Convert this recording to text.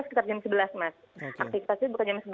sekitar jam sebelas mas aksi pasti buka jam sebelas